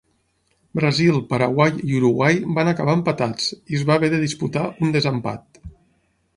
Brasil, Paraguai i Uruguai van acabar empatats i es va haver de disputar un desempat.